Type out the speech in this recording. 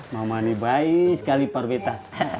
mama ini baik sekali pak betta